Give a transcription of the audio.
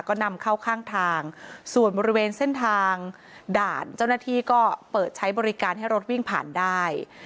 ก็นำเข้าข้างทางส่วนบริเวณเส้นทางด่านเจ้าหน้าที่ก็เปิดใช้บริการให้รถวิ่งผ่านได้